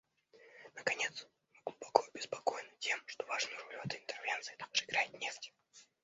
Наконец, мы глубоко обеспокоены тем, что важную роль в этой интервенции также играет нефть.